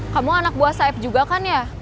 kamu anak buah saif juga kan ya